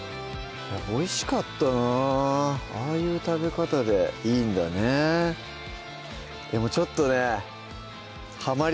おいしかったなああいう食べ方でいいんだねでもちょっとねはまり